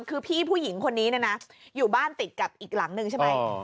คือพี่ผู้หญิงคนนี้เนี่ยนะอยู่บ้านติดกับอีกหลังนึงใช่ไหม